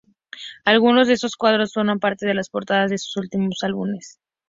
Algunos de esos cuadros forman parte de las portadas de sus últimos álbumes.